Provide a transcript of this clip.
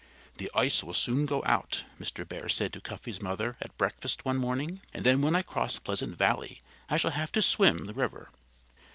"The ice will soon go out," Mr. Bear said to Cuffy's mother at breakfast one morning, "and then when I cross Pleasant Valley I shall have to swim the river."